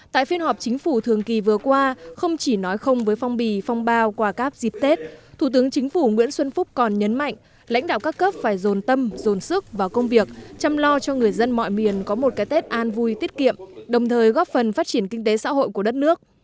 tại phiên họp chính phủ thường kỳ vừa qua không chỉ nói không với phong bì phong bao qua các dịp tết thủ tướng chính phủ nguyễn xuân phúc còn nhấn mạnh lãnh đạo các cấp phải dồn tâm dồn sức vào công việc chăm lo cho người dân mọi miền có một cái tết an vui tiết kiệm đồng thời góp phần phát triển kinh tế xã hội của đất nước